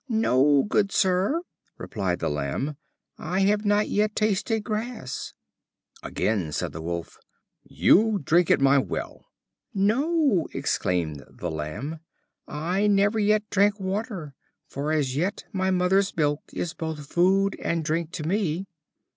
"No, good sir," replied the Lamb, "I have not yet tasted grass." Again said the Wolf: "You drink of my well." "No," exclaimed the Lamb, "I never yet drank water, for as yet my mother's milk is both food and drink to me."